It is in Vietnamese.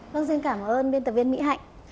vâng xin cảm ơn biên tập viên mỹ hạnh